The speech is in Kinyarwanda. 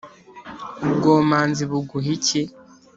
ubwomanzi buguha iki?